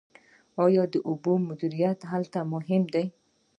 آیا د اوبو مدیریت هلته مهم نه دی؟